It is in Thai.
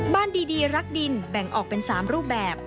บ้านดีรักดินแบ่งออกเป็น๓รูปแบบ